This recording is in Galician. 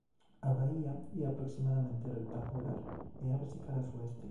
A baía é aproximadamente rectangular e ábrese cara ao sueste.